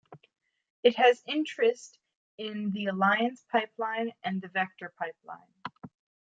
It has interest in the Alliance Pipeline and the Vector Pipeline.